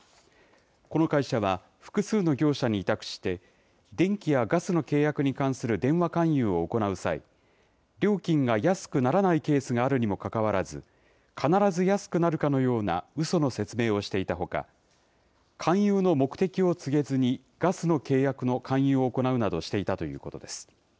この会社は、複数の業者に委託して、電気やガスの契約に関する電話勧誘を行う際、料金が安くならないケースがあるにもかかわらず、必ず安くなるかのようなうその説明をしていたほか、勧誘の目的を告げずにガスの契約の勧誘を行うなどしていたということです。